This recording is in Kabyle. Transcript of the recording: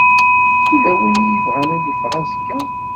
Yella win i yebɣan ad iffeɣ azekka?